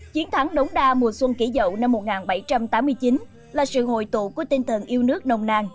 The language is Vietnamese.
chiến thắng đống đa mùa xuân kỷ dậu năm một nghìn bảy trăm tám mươi chín là sự hội tụ của tinh thần yêu nước nồng nàng